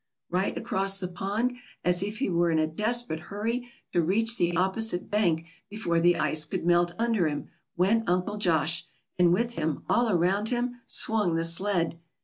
Right across the pond, as if he were in a desperate hurry to reach the opposite bank before the ice could melt under him, went Uncle Josh, and with him, all around him, swung the sled.